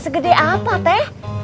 segede apa teh